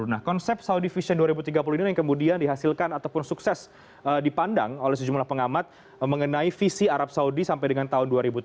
nah konsep saudi vision dua ribu tiga puluh ini yang kemudian dihasilkan ataupun sukses dipandang oleh sejumlah pengamat mengenai visi arab saudi sampai dengan tahun dua ribu tiga puluh